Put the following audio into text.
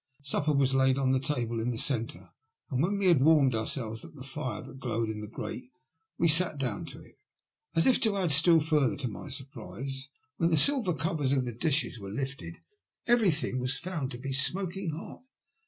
Supper was laid on the table in the centre, and when we had warmed ourselves at the fire that glowed in the grate, we sat down to it. As if to add still further to my surprise, when the silver covers of the dishes were lifted, everything was found to be smoking hot.